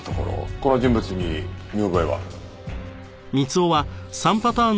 この人物に見覚えは？